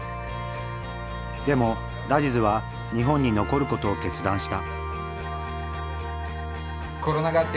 でもラジズは日本に残ることを決断した。